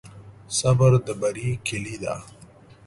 صبر د بری کلي ده.